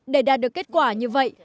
để đạt được kết quả như vậy